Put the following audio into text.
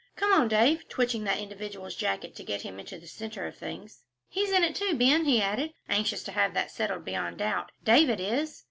"Come on, Dave," twitching that individual's jacket to get him into the centre of things. "He's in it, too, Ben," he added, anxious to have that settled beyond a doubt. "David is."